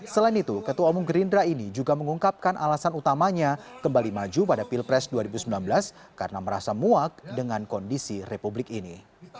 selain itu ketua umum gerindra ini juga mengungkapkan alasan utamanya kembali maju pada pilpres dua ribu sembilan belas karena merasa muak dengan kondisi republik ini